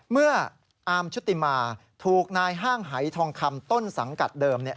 เมื่ออาร์มชุติมาถูกนายห้างหายทองคำต้นสังกัดเดิม